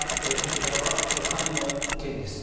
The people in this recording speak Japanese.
ここからはお金の件です。